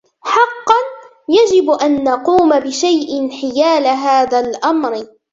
حقا، يجب أن نقوم بشيء حيال هذا الأمر.